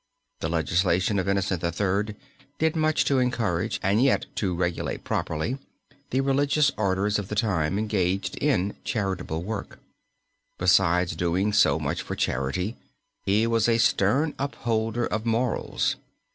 The legislation of Innocent III. did much to encourage, and yet to regulate properly the religious orders of this time engaged in charitable work. Besides doing so much for charity, he was a stern upholder of morals.